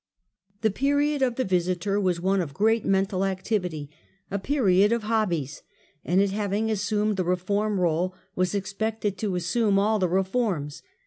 The period of the Visiter was one of great mental activity — a period of hobbies — and it, having assum ed the reform roll, was expected to assume all the re forms.